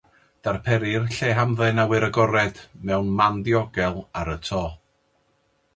Darperir lle hamdden awyr agored mewn man diogel ar y to.